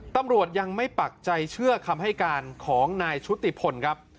ตำรวจยังไม่ปักใจเชื่อคำให้การของนายชุติพลครับ